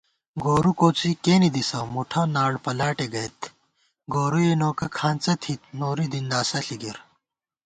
گورُوکوڅی کېنےدِسہ مُٹھہ ناڑ پَلاٹےگَئیت * گورُوئےنوکہ کھانڅہ تھِت نوری دِنداسہ ݪی گِر